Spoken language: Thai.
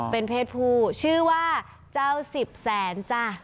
เป็นเพศผู้ชื่อว่าเจ้าสิบแสนจ้ะ